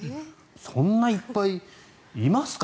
そんないっぱいいますか？